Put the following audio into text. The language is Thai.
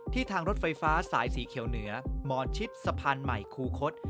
ทางรถไฟฟ้าสายสีเขียวเหนือหมอชิดสะพานใหม่คูคศ